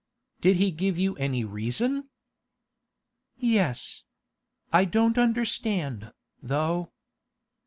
'Did he give you any reason?' 'Yes. I don't understand, though.